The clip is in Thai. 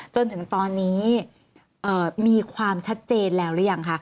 จนถึงตอนนี้มีความชัดเจนแล้วหรือยังคะ